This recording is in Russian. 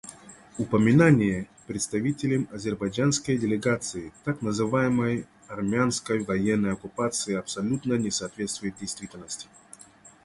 Упоминание представителем азербайджанской делегации так называемой армянской военной оккупации абсолютно не соответствует действительности.